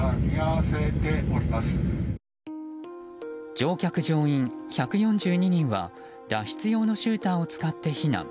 乗客・乗員１４２人は脱出用のシューターを使って避難。